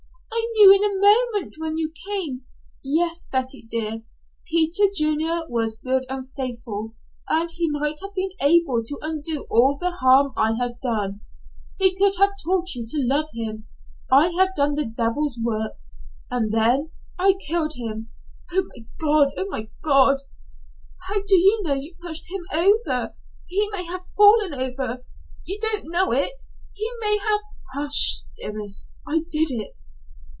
I knew in a moment when you came " "Yes, Betty, dear, Peter Junior was good and faithful; and he might have been able to undo all the harm I had done. He could have taught you to love him. I have done the devil's work and then I killed him Oh, my God! My God!" "How do you know you pushed him over? He may have fallen over. You don't know it. He may have " "Hush, dearest. I did it.